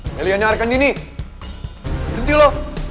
melianya arkandini berhenti lo